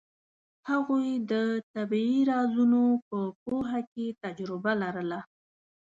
هغوی د طبیعي رازونو په پوهه کې تجربه لرله.